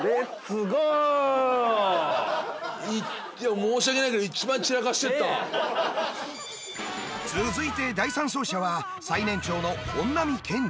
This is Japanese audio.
申し訳ないけど続いて第３走者は最年長の本並健治。